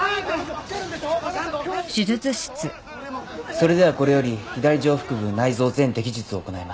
それではこれより左上腹部内臓全摘術を行います。